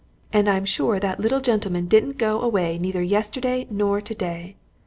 And I'm sure that little gentleman didn't go away neither yesterday nor today.